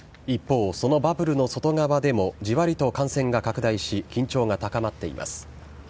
一方、そのバブルの外側でも、じわりと感染が拡大し、緊張が高まっています。